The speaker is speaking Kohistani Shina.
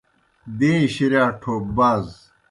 دَیں شِرِیا ٹھوپ باز